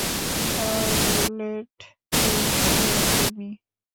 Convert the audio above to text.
Charlotte, এই তো তুমি।